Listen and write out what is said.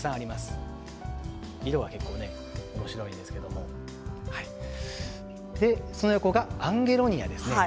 色が結構おもしろいんですけどその横がアンゲロニア。